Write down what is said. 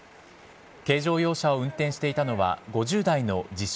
軽乗用車を運転していたのは、５０代の自称